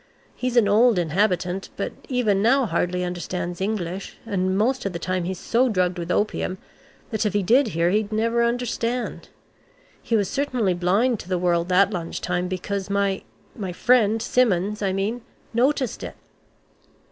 He's an old inhabitant, but even now hardly understands English, and most of the time he's so drugged with opium, that if did hear he'd never understand. He was certainly blind to the world that lunch time, because my my friend, Simmons, I mean, noticed it."